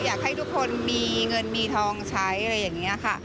อยากให้ทุกคนมีเงินมีทองใช้อะไรอย่างนี้ค่ะ